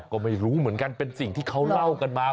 ก็ไม่รู้เหมือนกันเป็นสิ่งที่เขาเล่ากันมา